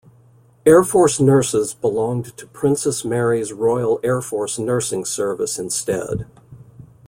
Air Force nurses belonged to Princess Mary's Royal Air Force Nursing Service instead.